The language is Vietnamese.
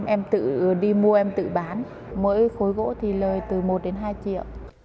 em tự đi mua em tự bán mỗi khối gỗ thì lời từ một đến hai triệu